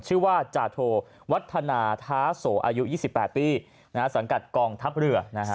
ชื่อว่าจาโทวัธนาธาสวอายุยี่สิบแปดปีนะฮะสังกัจกองทัพเรือนะฮะ